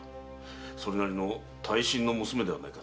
それなりの大身の娘ではないかな。